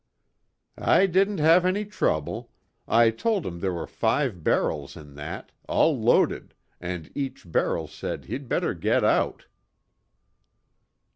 "I didn't have any trouble. I told him there were five barrels in that, all loaded, and each barrel said he'd better get out."